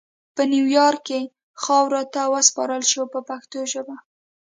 په نیویارک کې خاورو ته وسپارل شو په پښتو ژبه.